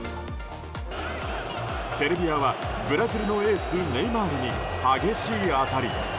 セルビアはブラジルのエースネイマールに激しい当たり。